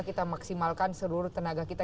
kita maksimalkan seluruh tenaga kita